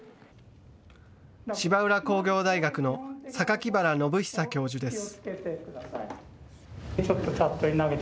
芝浦工業大学の榊原暢久教授です。